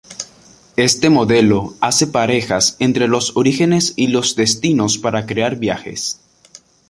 Este modelo hace parejas entre los orígenes y los destinos para crear viajes.